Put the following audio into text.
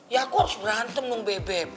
ya aku harus berantem dong bebe